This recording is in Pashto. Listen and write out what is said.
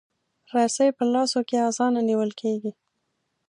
رسۍ په لاسو کې اسانه نیول کېږي.